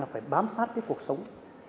phải bám sát cái cuộc sống